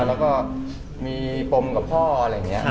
แล้วก็มีปมกับพ่ออะไรอย่างนี้